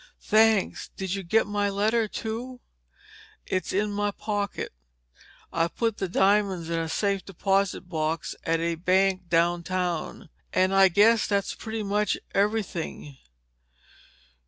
"Thanks. Did you get my letter, too?" "It's in my pocket. I put the diamonds in a safe deposit box at a bank uptown. And I guess that's pretty much everything."